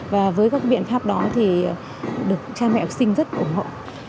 và với các biện pháp đó thì được cha mẹ học sinh rất ủng hộ